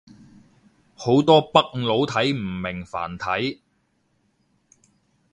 好多北佬睇唔明繁體